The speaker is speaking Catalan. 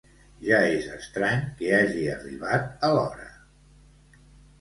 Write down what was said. Ja és estrany que hagi arribat a l'hora!